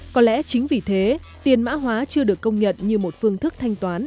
có lẽ chính vì thế tiền mã hóa chưa được công nhận như một phương thức thanh toán